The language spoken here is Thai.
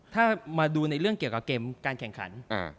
ถ้ามาดูในเรื่องเกี่ยวกับเกมการแข่งขัน